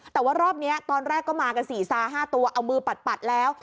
แต่ว่ารอบนี้ตอนแรกก็มากัน๔ซา๕ตัวเอามือปัดแล้ว